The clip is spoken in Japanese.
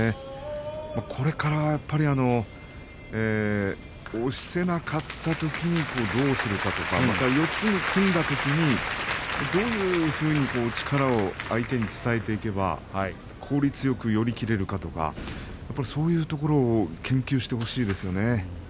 これから押せなかったときにどうするか四つに組んだときにどういうふうに相手に力を伝えていくか効率よく寄り切れるかとかそういったところを研究してほしいですね。